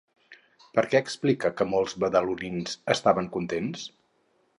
Per què explica que molts badalonins estaven contents?